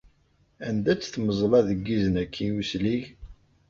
Anda-tt tmeẓla deg yizen-agi uslig?